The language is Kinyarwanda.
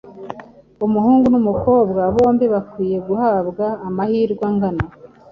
umuhungu n’umukobwa bombi bakwiye guhabwa amahirwe angana